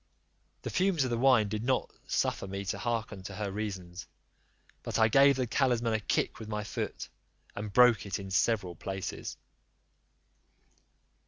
The fumes of the wine did not suffer me to hearken to her reasons; but I gave the talisman a kick with my foot, and broke it in several pieces.